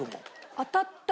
当たったら。